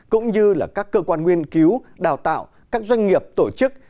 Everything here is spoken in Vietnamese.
cũng như là các cơ quan nguyên cứu đào tạo các doanh nghiệp tổ chức